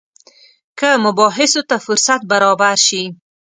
که مباحثو ته فرصت برابر شي.